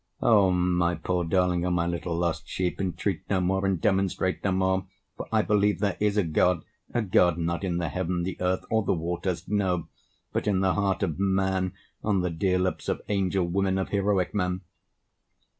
O my poor darling, O my little lost sheep, Entreat no more and demonstrate no more; For I believe there is a God, a God Not in the heaven, the earth, or the waters; no, But in the heart of man, on the dear lips Of angel women, of heroic men!